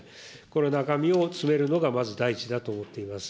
この中身を詰めるのが、まず第一だと思っています。